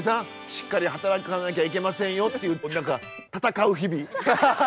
しっかり働かなきゃいけませんよ」って何か闘う日々。